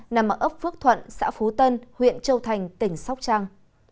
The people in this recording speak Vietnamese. nằm ở ấp phước thuận xã phú tân huyện châu thành tỉnh sóc trăng